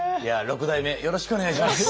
六代目よろしくお願いします。